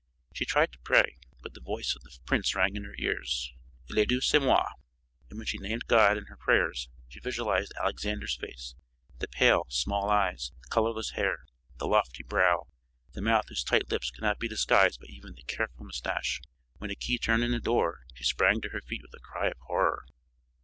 She tried to pray, but the voice of the prince rang in her ears: "Le Dieu, c'est moi!" and when she named God in her prayers, she visualized Alexander's face, the pale, small eyes, the colorless hair, the lofty brow, the mouth whose tight lips could not be disguised by even the careful mustache. When a key turned in a door, she sprang to her feet with a cry of horror.